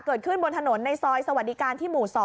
เกิดขึ้นบนถนนในซอยสวัสดิการที่หมู่๒